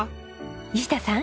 西田さん